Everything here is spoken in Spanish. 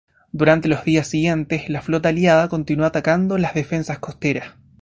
Durante los dos días siguientes, la flota Aliada continuó atacando las defensas costeras.